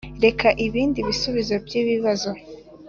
Reba ibindi bisubizo by ibibazo